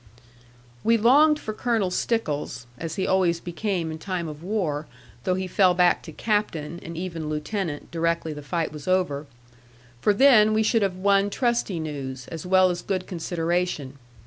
We longed for Colonel Stickles (as he always became in time of war, though he fell back to Captain, and even Lieutenant, directly the fight was over), for then we should have won trusty news, as well as good consideration.